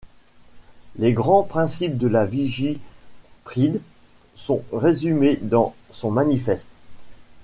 Les grands principes de la Veggie Pride sont résumés dans son manifeste.